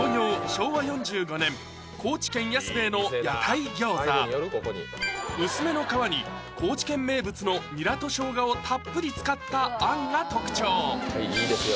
昭和４５年高知県安兵衛の屋台餃子薄めの皮に高知県名物のニラと生姜をたっぷり使ったあんが特徴いいですよ